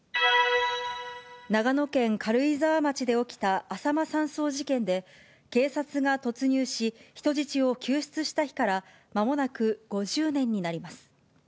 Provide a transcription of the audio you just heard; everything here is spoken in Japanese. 長野県軽井沢町で起きたあさま山荘事件で、警察が突入し、人質を救出した日から、まもなく５０年になります。